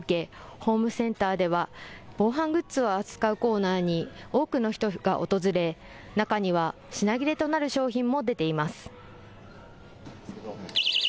ホームセンターでは防犯グッズを扱うコーナーに多くの人が訪れ中には品切れとなる商品も出ています。